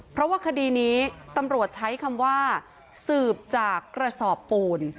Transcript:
เพราะว่าคดีนี้ตำรวจใช้คำว่าสืบจากกระสอบปูน